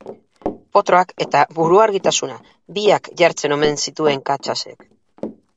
Potroak eta buruargitasuna, biak jartzen omen zituen Katxasek.